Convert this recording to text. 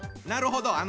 なるほど。